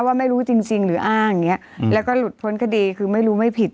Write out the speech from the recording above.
ว่าไม่รู้จริงจริงหรืออ้างอย่างเงี้ยแล้วก็หลุดพ้นคดีคือไม่รู้ไม่ผิด